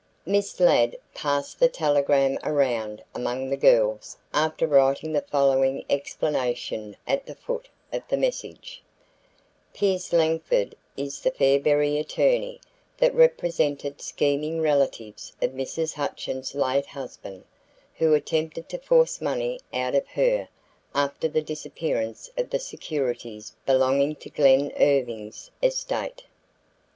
Miss Ladd passed the telegram around among the girls after writing the following explanation at the foot of the message: "Pierce Langford is the Fairberry attorney that represented scheming relatives of Mrs. Hutchins' late husband, who attempted to force money out of her after the disappearance of the securities belonging to Glen Irving's estate.